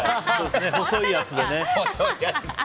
細いやつでね。